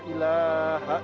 kemudian arah kedua jari